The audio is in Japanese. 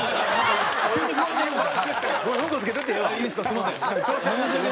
すみません。